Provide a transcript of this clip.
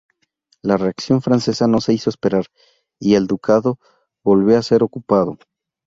La reacción francesa no se hizo esperar, y el ducado volvió a ser ocupado.